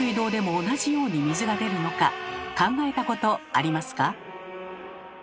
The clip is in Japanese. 考えたことありますか？